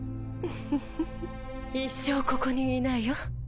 一生ここにいなよ。